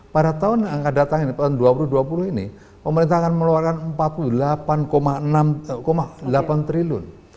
pada tahun dua ribu dua puluh ini pemerintah akan mengeluarkan empat puluh delapan delapan triliun